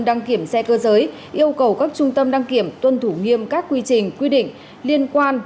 đăng kiểm xe cơ giới yêu cầu các trung tâm đăng kiểm tuân thủ nghiêm các quy trình quy định liên quan